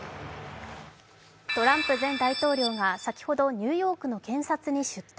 トランプ前大統領が先ほど、ニューヨークの検察に出頭。